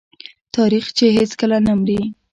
تاریخ چې هیڅکله نه مري.